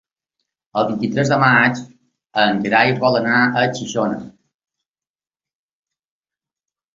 El vint-i-tres de maig en Gerai vol anar a Xixona.